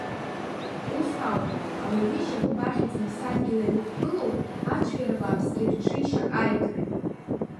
Ус ауп, ауаҩы ишьапы баӷьаӡа иԥсадгьыл ианықәгылоу, ацәгьара бааԥсгьы рҽеишьак аиҭоит.